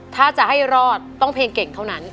ถ้าจะให้รอดต้องเพลงเก่งเท่านั้น